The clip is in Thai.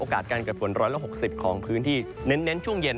การเกิดฝน๑๖๐ของพื้นที่เน้นช่วงเย็น